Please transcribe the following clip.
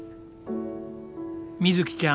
みずきちゃん